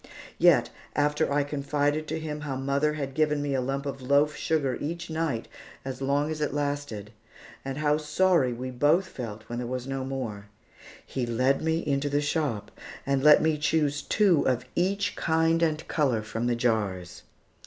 Yet, after I confided to him how mother had given me a lump of loaf sugar each night as long as it lasted, and how sorry we both felt when there was no more, he led me into the shop and let me choose two of each kind and color from the jars.